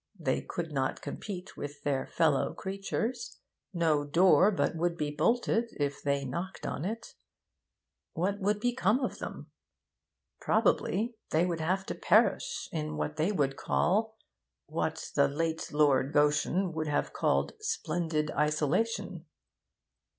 They could not compete with their fellow creatures; no door but would be bolted if they knocked on it. What would become of them? Probably they would have to perish in what they would call 'what the late Lord Goschen would have called "splendid isolation."'